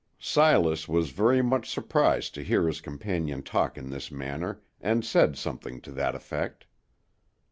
'" Silas was very much surprised to hear his companion talk in this manner, and said something to that effect.